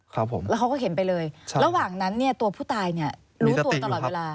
แล้วเขาก็เห็นไปเลยระหว่างนั้นตัวผู้ตายรู้ตัวตลอดเวลา